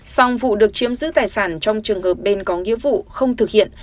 song vụ được chiếm giữ tài sản trong trường hợp bên có nghĩa vụ không thực hiện